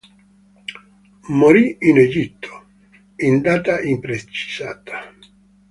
Morì in Egitto, in data imprecisata.